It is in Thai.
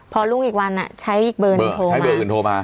พอลุงอีกวันน่ะใช้อีกเบอร์กันโทรมา